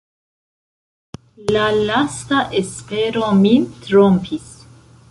la lasta espero min trompis.